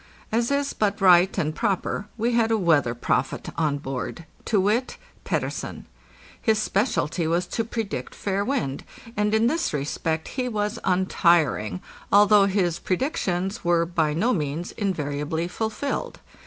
As is but right and proper, we had a weather prophet on board—to wit, Pettersen. His specialty was to predict fair wind, and in this respect he was untiring, although his predictions were by no means invariably fulfilled.